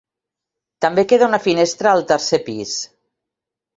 També queda una finestra al tercer pis.